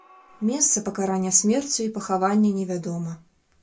Месца пакарання смерцю і пахавання невядома.